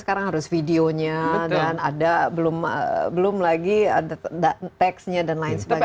sekarang harus videonya dan ada belum lagi ada teksnya dan lain sebagainya